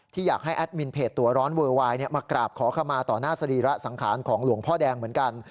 อยากให้แอดมินเพจตัวร้อนเวอร์วายมากราบขอขมาต่อหน้าสรีระสังขารของหลวงพ่อแดงเหมือนกัน